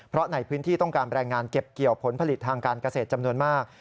เพราะในพื้นที่ต้องการแรงงานเก็บเกี่ยวผลผลิตทางการเกษตรจำนวนมาก